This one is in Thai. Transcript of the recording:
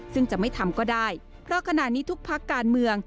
ซึ่งจะไม่ทำก็ได้เพราะขณะนี้ทุกพักการเมือง